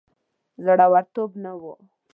زړه ورتوب نه وو.